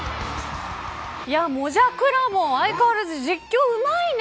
もじゃくらもん相変わらず実況うまいね。